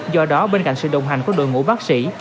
do đó bên cạnh sự đồng hành của đội ngũ bác sĩ